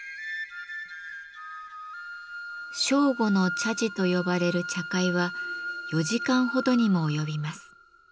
「正午の茶事」と呼ばれる茶会は４時間ほどにも及びます。